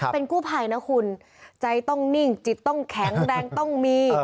เป็นกู้ภัยนะคุณใจต้องนิ่งจิตต้องแข็งแรงต้องมี